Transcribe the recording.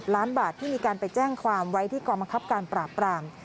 ล้านบาทที่มีการไปแจ้งความไว้ที่กรมคับการปราบปราม